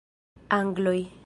Angloj!